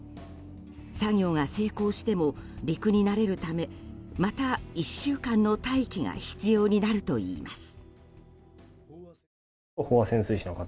作業が成功しても陸に慣れるためまた１週間の待機が必要になるといいます。